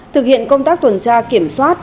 thực hiện công tác tuần tra kiểm soát